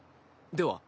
では。